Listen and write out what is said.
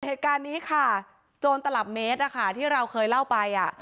เหตุการณ์นี้ค่ะโจรตลับเมตรนะคะที่เราเคยเล่าไป